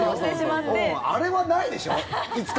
あれはないでしょ？